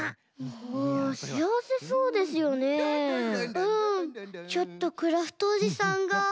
うんちょっとクラフトおじさんがうらやましい。